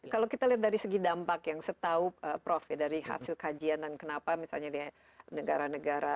kalau kita lihat dari segi dampak yang setahu prof ya dari hasil kajian dan kenapa misalnya di negara negara